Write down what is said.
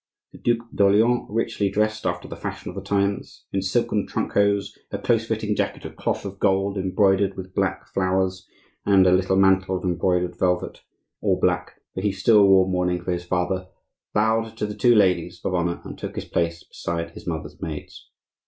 The Duc d'Orleans, richly dressed after the fashion of the times, in silken trunk hose, a close fitting jacket of cloth of gold embroidered with black flowers, and a little mantle of embroidered velvet, all black, for he still wore mourning for his father, bowed to the two ladies of honor and took his place beside his mother's maids.